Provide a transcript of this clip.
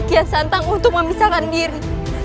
kiat santang untuk memisahkan diri